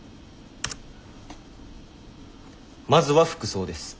まずは服装です。